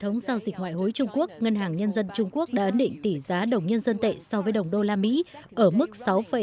trong lúc dịch ngoại hối trung quốc ngân hàng nhân dân trung quốc đã ấn định tỷ giá đồng nhân dân tệ so với đồng đô la mỹ ở mức sáu tám nghìn bốn trăm chín mươi năm